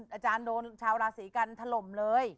อาจารย์โดนชาวราศีกันถล่มเลย